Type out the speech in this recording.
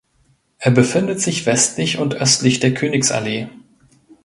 Er befindet sich westlich und östlich der Königsallee.